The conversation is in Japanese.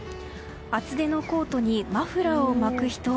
厚手のコートにマフラーを巻く人。